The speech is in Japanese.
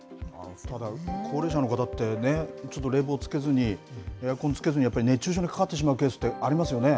ただ、高齢者の方って、ちょっと冷房つけずに、エアコンつけずに、やっぱり熱中症にかかってしまうケースって、ありますよね。